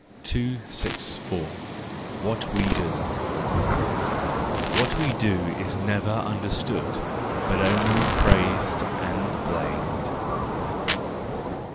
264. What we Do .—What we do is never understood, but only praised and blamed.